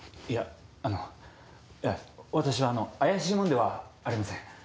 いやあのいや私は怪しい者ではありません。